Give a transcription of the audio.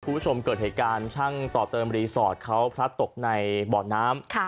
คุณผู้ชมเกิดเหตุการณ์ช่างต่อเติมรีสอร์ทเขาพลัดตกในบ่อน้ำ